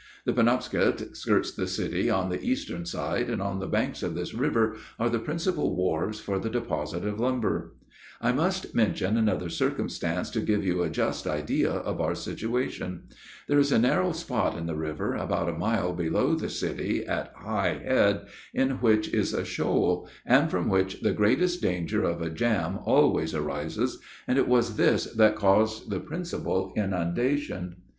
The Penobscot skirts the city on the eastern side, and on the banks of this river are the principal wharves for the deposit of lumber. I must mention another circumstance to give you a just idea of our situation. There is a narrow spot in the river, about a mile below the city, at High Head, in which is a shoal, and from which the greatest danger of a jam always arises, and it was this that caused the principal inundation.